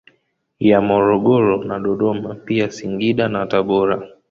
Ya Morogoro na Dodoma pia Singida na Tabora